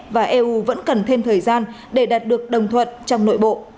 và eu vẫn cần thêm thời gian để đạt được đồng thuận trong nội bộ